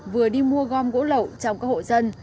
vừa đi mua gom gỗ lậu trong các hộ dân